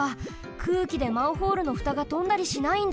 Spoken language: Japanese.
くうきでマンホールのふたがとんだりしないんだ。